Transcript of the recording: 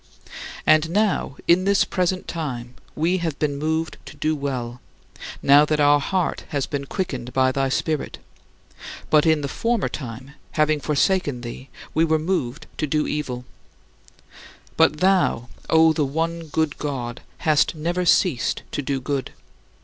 And now, in this present time, we have been moved to do well, now that our heart has been quickened by thy Spirit; but in the former time, having forsaken thee, we were moved to do evil. But thou, O the one good God, hast never ceased to do good!